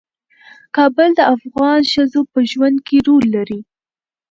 کابل د افغان ښځو په ژوند کې رول لري.